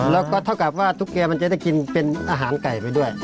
แล้วก็เท่ากับว่าตุ๊กแกมันจะได้กินเป็นอาหารไก่ไปด้วย